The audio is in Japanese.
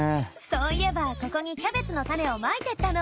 そういえばここにキャベツの種をまいてったの！